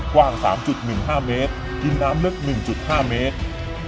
กว้าง๓๑๕เมตรดินน้ำลึก๑๕เมตร